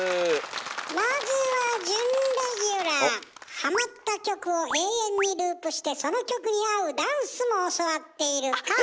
まずはハマった曲を永遠にループしてその曲に合うダンスも教わっている